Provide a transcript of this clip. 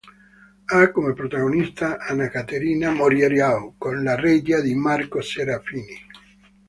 Ha come protagonista Ana Caterina Morariu con la regia di Marco Serafini.